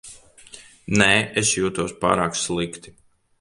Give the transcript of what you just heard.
Nē, es jūtos pārāk slikti.